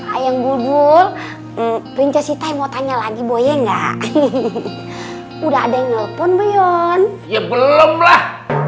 ayam bulbul rincah sita mau tanya lagi boleh nggak udah ada yang ngelepon bion ya belumlah